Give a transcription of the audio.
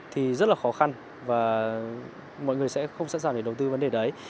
thì rất là khó khăn và mọi người sẽ không sẵn sàng để đầu tư vấn đề đấy